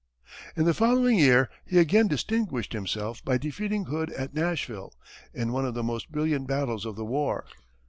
In the following year, he again distinguished himself by defeating Hood at Nashville, in one of the most brilliant battles of the war.